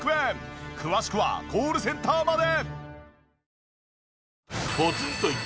詳しくはコールセンターまで。